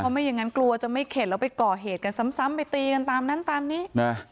ไม่อย่างนั้นกลัวจะไม่เข็ดแล้วไปก่อเหตุกันซ้ำไปตีกันตามนั้นตามนี้นะ